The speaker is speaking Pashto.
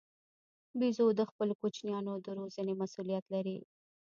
بیزو د خپلو کوچنیانو د روزنې مسوولیت لري.